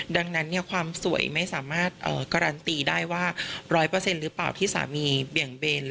ดังนั้นความสวยไม่สามารถการันตีได้ว่า๑๐๐หรือเปล่าที่สามีเบี่ยงเบน